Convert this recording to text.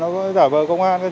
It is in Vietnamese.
giả vờ công an